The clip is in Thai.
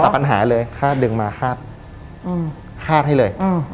ปัญหาเลยคาดดึงมาคาดคาดให้เลย